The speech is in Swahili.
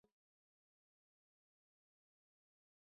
Mkulima ni mtu muhimu katika Jamii